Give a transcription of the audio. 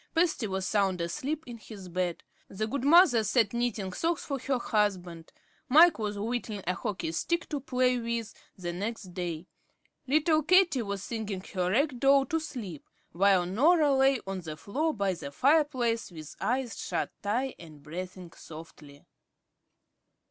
Patsy was sound asleep in his bed. The good mother sat knitting socks for her husband; Mike was whittling a hockey stick to play with the next day. Little Katie was singing her rag doll to sleep, while Norah lay on the floor by the fireplace with eyes shut tight and breathing softly.